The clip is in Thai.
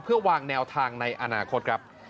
เพื่อวางแนวทางในอนาคตครับ